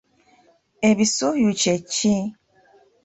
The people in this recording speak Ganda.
Ebisuyu kye ki?